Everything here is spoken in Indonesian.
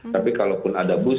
tapi kalau pun ada booster